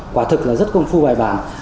quả thực là rất công phu bài bản